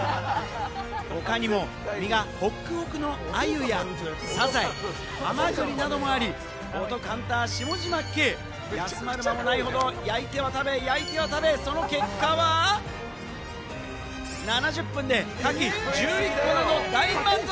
他にも身がホクホクのアユやサザエ、ハマグリ等もあり、お得ハンター・下嶋兄、休まる間もないほど焼いては食べ、焼いては食べ、その結果は、７０分でカキ１１個など大満足。